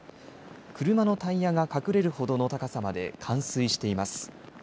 車のタイヤが隠れるほどの高さまで冠水しています。